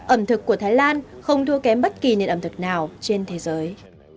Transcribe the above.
ẩm thực của thái lan không thua kém bất kỳ nền ẩm thực nào trên thế giới